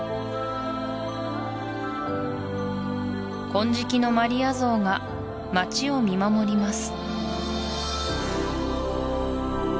金色のマリア像が街を見守ります